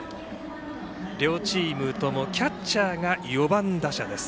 両チームともキャッチャーが４番打者です。